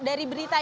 dari berita yang